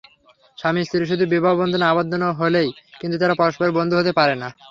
স্বামী-স্ত্রী শুধু বিবাহবন্ধনে আবদ্ধ হলেই কিন্তু তারা পরস্পরের বন্ধু হতে পারে না।